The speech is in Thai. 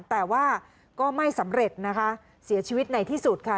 แต่ว่าก็ไม่สำเร็จนะคะเสียชีวิตในที่สุดค่ะ